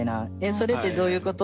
「それってどういうこと？」